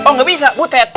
oh gak bisa butet